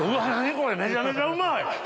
これめちゃめちゃうまい！